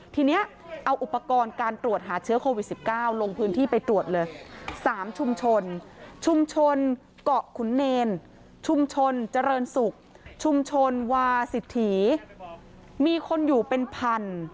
ทีนี้เอาอุปกรณ์การตรวจหาเชื้อโควิด๑๙ลงพื้นที่ไปตรวจเลย๓ชุมชนชุมชนเกาะขุนเนรชุมชนเจริญศุกร์ชุมชนวาสิทธีมีคนอยู่เป็นพัน